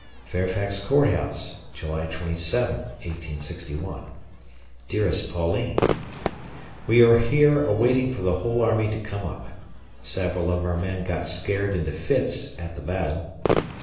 Fairfax Court House, July 27, 1861. Dearest Pauline: We are here awaiting for the whole army to come up ... Several of our men got scared into fits at the battle.